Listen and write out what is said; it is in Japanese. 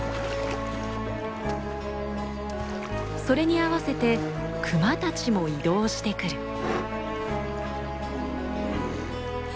それに合わせてクマたちも移動してくる。